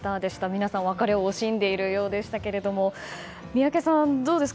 皆さん別れを惜しんでいるようでしたが宮家さん、どうですか。